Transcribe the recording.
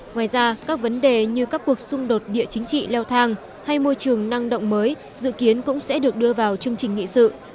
ngoài ra các vấn đề như các cuộc xung đột địa chính trị leo thang hay môi trường năng động mới dự kiến cũng sẽ được đưa vào chương trình nghị sự